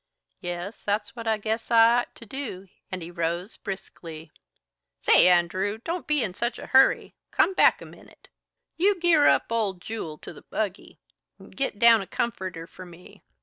"Yes, that's what I guess I ought to do," and he rose briskly. "Say, Andrew! Don't be in such a hurry. Come back a minute. You gear up ole Jule to the buggy and git down a comforter for me.